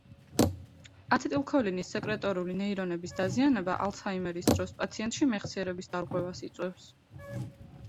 აცეტილქოლინის სეკრეტორული ნეირონების დაზიანება, ალცჰაიმერის დროს, პაციენტში მეხსიერების დარღვევას იწვევს.